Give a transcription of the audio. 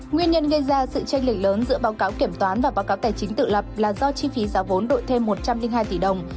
nguyên nhân gây ra sự tranh lệch lớn giữa báo cáo kiểm toán và báo cáo tài chính tự lập là do chi phí giá vốn đổi thêm một trăm linh hai tỷ đồng